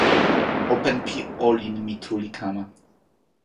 open pi olin mi tu li kama.